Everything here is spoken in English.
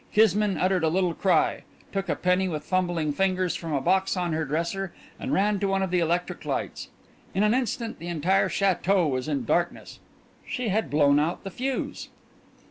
Kismine uttered a little cry, took a penny with fumbling fingers from a box on her dresser, and ran to one of the electric lights. In an instant the entire château was in darkness she had blown out the fuse.